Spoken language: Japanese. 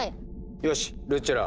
よしルッチョラ。